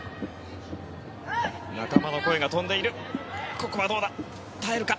仲間の声が飛んでいる。